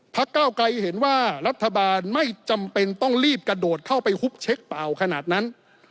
เก้าไกรเห็นว่ารัฐบาลไม่จำเป็นต้องรีบกระโดดเข้าไปฮุบเช็คเปล่าขนาดนั้น